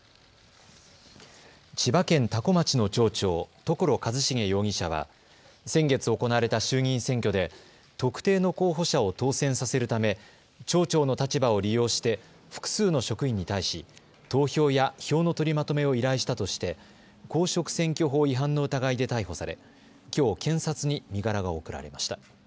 千葉県多古町の町長、所一重容疑者は先月行われた衆議院選挙で特定の候補者を当選させるため町長の立場を利用して複数の職員に対し投票や票の取りまとめを依頼したとして公職選挙法違反の疑いで逮捕されきょう検察に身柄が送られました。